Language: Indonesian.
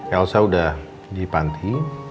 elsa udah di panti